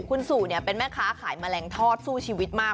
คุณสู่เป็นแม่ค้าขายแมลงทอดสู้ชีวิตมาก